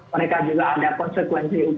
mereka juga ada konsekuensi